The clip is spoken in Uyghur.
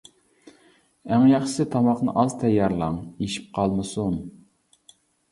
ئەڭ ياخشىسى تاماقنى ئاز تەييارلاڭ، ئېشىپ قالمىسۇن.